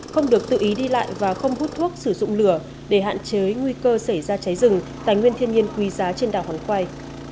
không được tự ý đi lại và không hút thuốc sử dụng lửa để hạn chế nguy cơ xảy ra cháy rừng tài nguyên thiên nhiên quý giá trên đảo hòn quay